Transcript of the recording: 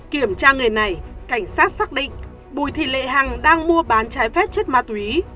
kiểm tra người này cảnh sát xác định bùi thị lệ hằng đang mua bán trái phép chất ma túy